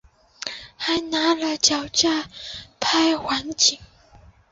还拿了脚架拍环景